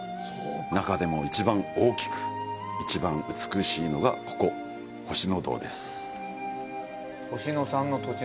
中でも一番大きく、一番美しいのがここ、星野洞です。